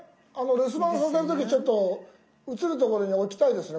留守番させる時ちょっと映る所に置きたいですね